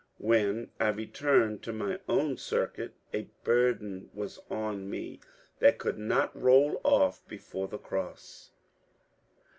When I returned to my own circuit, a burden was on me that could not roll off before the cross.